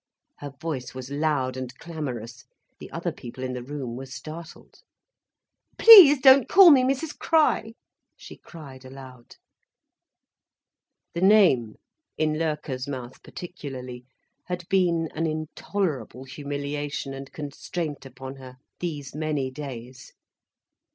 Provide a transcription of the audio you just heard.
Her voice was loud and clamorous, the other people in the room were startled. "Please don't call me Mrs Crich," she cried aloud. The name, in Loerke's mouth particularly, had been an intolerable humiliation and constraint upon her, these many days.